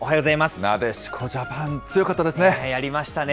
なでしこジャパン、強かったやりましたね。